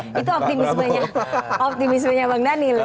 oke itu optimismenya optimismenya bang dhanil